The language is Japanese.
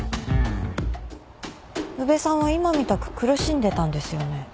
宇部さんは今みたく苦しんでたんですよね。